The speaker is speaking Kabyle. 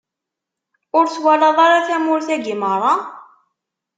Ur twalaḍ ara tamurt-agi meṛṛa?